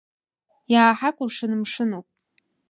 Иааҳакәыршан мшынуп.